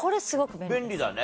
便利だね